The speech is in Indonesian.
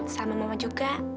sama mama juga